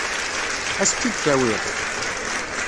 Ad as-tt-id-tawiḍ?